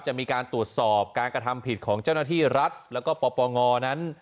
จะมีการตรวจสอบการกระทำผิดของเจ้าหน้าที่รัฐแล้วก็ปปงนั้น